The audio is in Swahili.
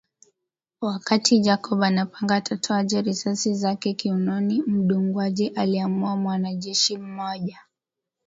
Wakati Jacob anapanga atatoaje risasi zake kiunoni mdunguaji alimuua mwanajeshi mmoja